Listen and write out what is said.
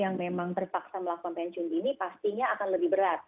yang memang terpaksa melakukan pensiun dini pastinya akan lebih berat